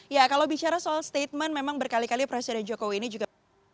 ya kalau bicara soal statement memang berkali kali presiden jokowi ini juga